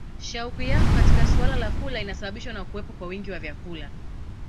Shauku yao katika suala la kula inasababishwa na kuwepo kwa wingi wa vyakula